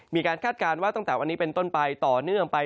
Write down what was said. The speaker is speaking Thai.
คาดการณ์ว่าตั้งแต่วันนี้เป็นต้นไปต่อเนื่องไป